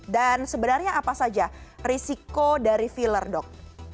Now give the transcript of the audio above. dan sebenarnya apa saja risiko dari filler dok